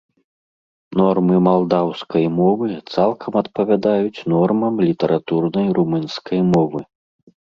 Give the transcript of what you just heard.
Нормы малдаўскай мовы цалкам адпавядаюць нормам літаратурнай румынскай мовы.